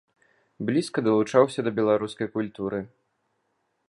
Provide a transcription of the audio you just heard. Блізка далучаўся да беларускай культуры.